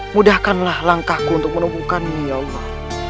mudahkanlah langkahku untuk menunggukannya ya allah